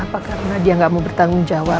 apa karena dia nggak mau bertanggung jawab